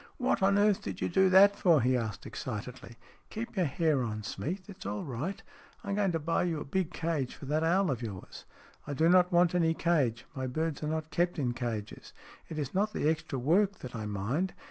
" What on earth did you do that for ?" he asked excitedly. "Keep your hair on, Smeath. It's all right. I'm going to buy you a big cage for that owl of yours." "I do not want any cage. My birds are not kept in cages. It is not the extra work that I mind.